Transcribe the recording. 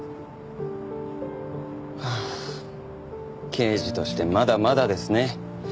刑事としてまだまだですね。